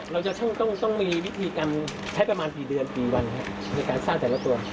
เราจะต้องมีวิธีการใช้ประมาณกี่เดือนกี่วันในการสร้างแต่ละตัว